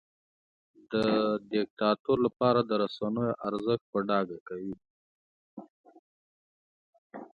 د دیکتاتور لپاره د رسنیو ارزښت په ډاګه کوي.